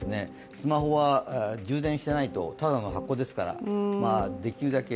スマホは充電してないとただの箱ですからできるだけ